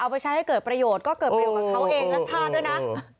เอาไปใช้ให้เกิดประโยชน์ก็ก็เกิดประโยชน์เป็นเขาเองนะชาวด้วยนะ